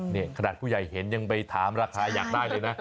นี่ขนาดผู้ใหญ่เห็นยังไปถามราคาอยากได้เลยนะ